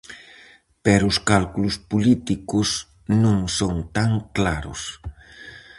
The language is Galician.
Pero os cálculos políticos non son tan claros.